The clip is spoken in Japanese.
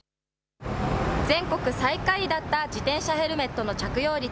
全国最下位だった自転車ヘルメットの着用率。